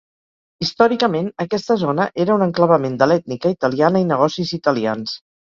Històricament aquesta zona era un enclavament de l'ètnica italiana i negocis italians.